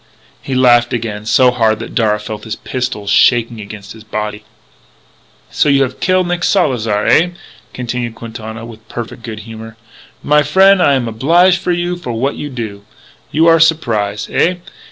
He laughed again so hard that Darragh felt his pistols shaking against his body. "So you have kill Nick Salzar, eh?" continued Quintana with perfect good humour. "My frien', I am oblige to you for what you do. You are surprise? Eh?